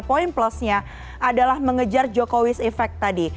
poin plusnya adalah mengejar jokowis effect tadi